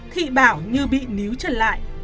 thị bảo như bị níu trần lại